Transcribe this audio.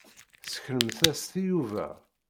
Seknemt-as-t i Yuba.